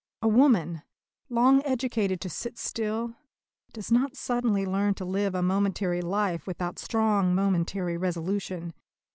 A woman, long educated to sit still, does not suddenly learn to live a momentary life without strong momentary resolution.